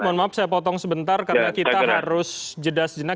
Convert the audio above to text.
mohon maaf saya potong sebentar karena kita harus jeda sejenak